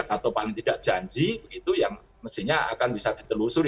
atau paling tidak janji begitu yang mestinya akan dikejar